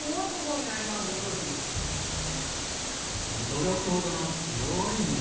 驚くほどの強い粘り。